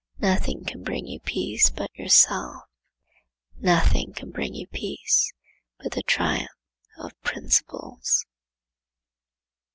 Nothing can bring you peace but yourself. Nothing can bring you peace but the triumph of principles.